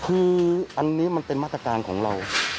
คืออันนี้มันเป็นมาตรการของเรา